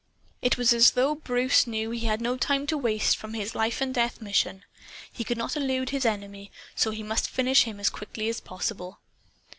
It was as though Bruce knew he had no time to waste from his life and death mission. He could not elude this enemy, so he must finish him as quickly as possible.